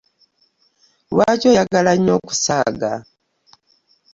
Lwaki oyagala nnyo okusaaga?